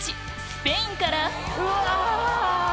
スペインからうわ！